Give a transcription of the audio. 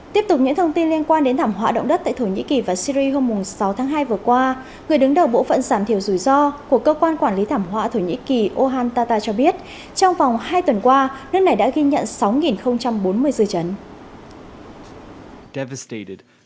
tiếp tục những thông tin liên quan đến thảm họa động đất tại thổ nhĩ kỳ và syri hôm sáu tháng hai vừa qua người đứng đầu bộ phận giảm thiểu rủi ro của cơ quan quản lý thảm họa thổ nhĩ kỳ ohantata cho biết trong vòng hai tuần qua nước này đã ghi nhận sáu bốn mươi dư chấn